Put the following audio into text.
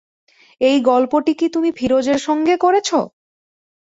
এই গল্পটি কি তুমি ফিরোজের সঙ্গে করেছ?